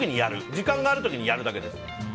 時間があるときにやるだけです。